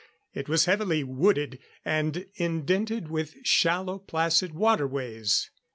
It was heavily wooded, and indented with shallow, placid waterways.